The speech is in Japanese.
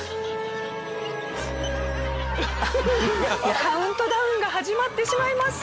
カウントダウンが始まってしまいます。